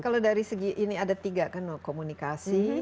kalau dari segi ini ada tiga kan komunikasi